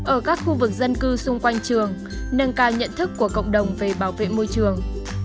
ở các khu vực dân cư xung quanh trường nâng cao nhận thức của cộng đồng về bảo vệ môi trường